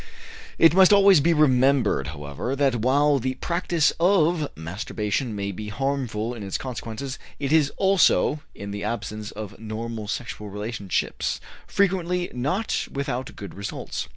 It must always be remembered, however, that, while the practice of masturbation may be harmful in its consequences, it is also, in the absence of normal sexual relationships, frequently not without good results.